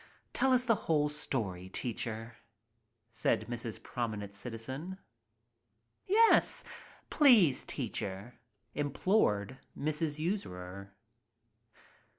Tell us the whole story, teacher," said Mrs* Prominent Citizen. (t ; please, teacher," implored Mrs. Usurer.